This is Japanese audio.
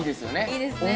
いいですね。